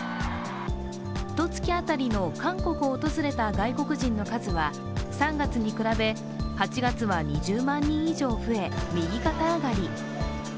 ひとつき当たりの韓国を訪れた外国人の数は３月に比べ８月は２０万人以上増え、右肩上がり。